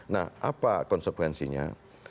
nah apa konsekuensinya